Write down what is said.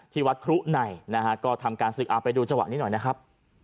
ที่วัดครุในนะฮะก็ทำการศึกเอาไปดูจังหวะนี้หน่อยนะครับ